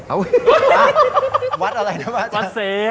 อ้าววัดอะไรนะวัดเสก